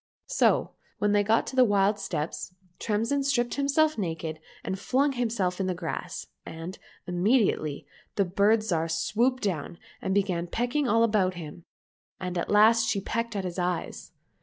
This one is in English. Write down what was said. So when they got to the wild steppes, Tremsin stripped himself naked and flung himself in the grass, and, immediately, the Bird Zhar swooped down and began pecking all about him, and at last she pecked at his eyes.